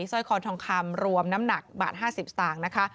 สร้อยคอทองคำรวมน้ำหนักบาท๕๐สตางค์นะคะ